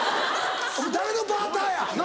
誰のバーターや？